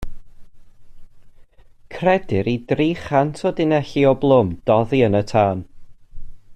Credir i dri chant o dunelli o blwm doddi yn y tân.